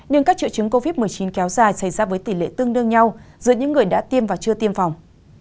nhưng các triệu chứng covid một mươi chín kéo dài xảy ra với tỷ lệ tương đương nhau giữa những người đã tiêm và chưa tiêm phòng